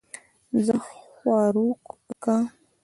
زۀ خواروک کۀ